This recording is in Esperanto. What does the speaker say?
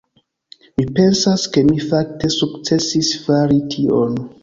Mi pensas ke mi fakte sukcesis fari tion.